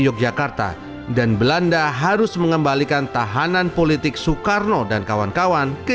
yogyakarta dan belanda harus mengembalikan tahanan politik soekarno dan kawan kawan ke